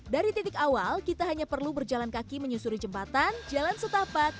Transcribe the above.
dari titik awal kita hanya perlu berjalan kaki menyusuri jembatan jalan setapak